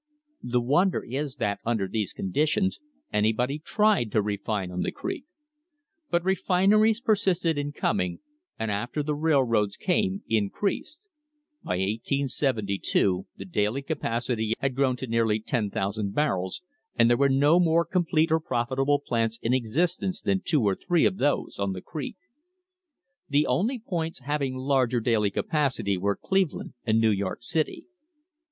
The wonder is that under these conditions anybody tried to refine on the creek. But refineries persisted in coming, and after the railroads came, increased; by 1872 the daily capacity had grown to nearly 10,000 barrels, and there were no more complete or profitable plants in existence than two or three of those on the creek. The only points having larger daily capacity were Cleveland and New York City.